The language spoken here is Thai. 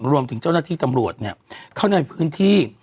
รวมถึงเจ้าหน้าที่ตำรวจเข้าในพื้นที่